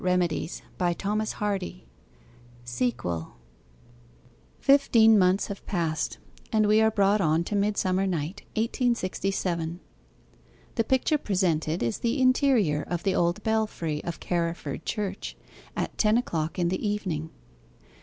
I started directly, by the rector's orders.' SEQUEL Fifteen months have passed, and we are brought on to Midsummer Night, 1867. The picture presented is the interior of the old belfry of Carriford Church, at ten o'clock in the evening.